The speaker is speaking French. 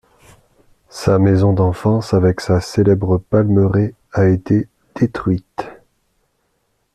Sa maison d'enfance avec sa célèbre palmeraie a été détruite.